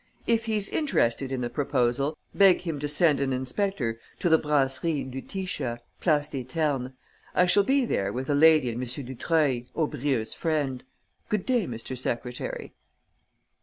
If he's interested in the proposal, beg him to send an inspector to the Brasserie Lutetia, Place des Ternes. I shall be there with a lady and M. Dutreuil, Aubrieux's friend. Good day, Mr. Secretary."